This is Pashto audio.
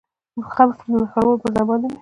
خم شوم، د نښلولو پر ځای باندې مې.